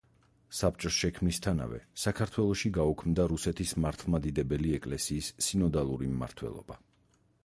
საბჭოს შექმნისთანავე, საქართველოში გაუქმდა რუსეთის მართლმადიდებელი ეკლესიის სინოდალური მმართველობა.